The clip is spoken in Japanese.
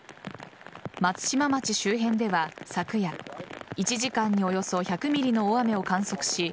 松島町周辺では昨夜１時間におよそ１００ｍｍの大雨を観測し